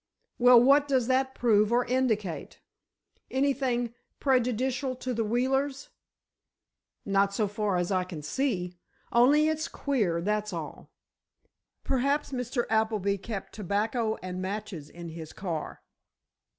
"Well, what does that prove or indicate? Anything prejudicial to the Wheelers?" "Not so far as I can see. Only it's queer, that's all." "Perhaps Mr. Appleby kept tobacco and matches in his car."